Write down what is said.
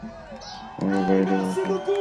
ওরা বাইরে আছে এখনও?